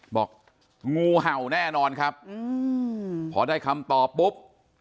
บอกงูเห่าแน่นอนครับพอได้คำตอบปุ๊บ